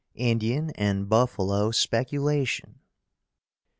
INDIAN AND BUFFALO SPECULATION.